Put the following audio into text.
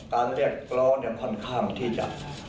การเรียกกร้องเนี่ยค่อนข้างที่จะ